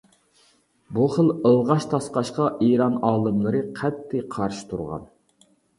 بۇ خىل ئىلغاش تاسقاشقا ئىران ئالىملىرى قەتئىي قارشى تۇرغان.